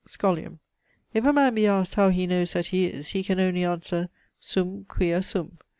SCHOLIUM. If a man be asked how he knows that he is? he can only answer, sum quia sum.